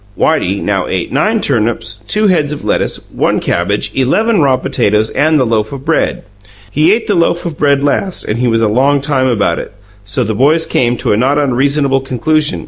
Whitey now ate nine turnips, two heads of lettuce, one cabbage, eleven raw potatoes and the loaf of bread. He ate the loaf of bread last and he was a long time about it; so the boys came to a not unreasonable conclusion.